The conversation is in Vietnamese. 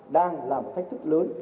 đang là một thách thức lớn